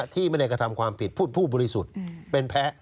ที่ไม่ได้กระทำความผิดพูดผู้บริสุทธิ์เป็นแพ้